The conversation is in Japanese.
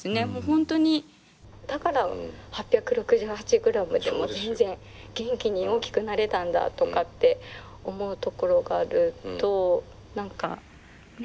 本当にだから８６８グラムでも全然元気に大きくなれたんだとかって思うところがあると何かね。